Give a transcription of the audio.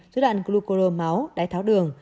dưới loạn glucuromáu đáy tháo đường